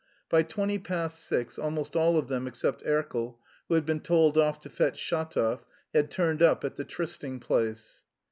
By twenty past six almost all of them except Erkel, who had been told off to fetch Shatov, had turned up at the trysting place.